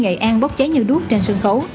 nữ sinh nghệ an bốc cháy như đuốt trên sân khấu